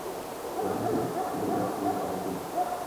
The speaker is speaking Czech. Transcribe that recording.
Nabízí i podrobné odpovědi a řešení.